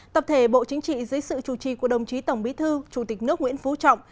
tập thể bộ chính trị dưới sự chủ trì của đồng chí tổng bí thư chủ tịch nước nguyễn phú trọng